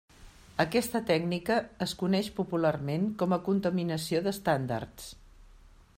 Aquesta tècnica es coneix popularment com a "contaminació d'estàndards".